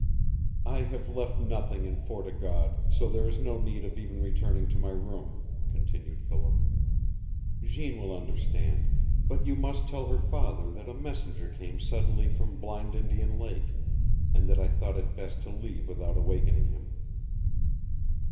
"I have left nothing in Fort o' God, so there is no need of even returning to my room," continued Philip. "Jeanne will understand, but you must tell her father that a messenger came suddenly from Blind Indian Lake, and that I thought it best to leave without awakening him.